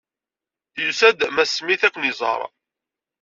Yusa-d Mass Smith ad kent-iẓeṛ.